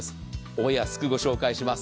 お安くご紹介します。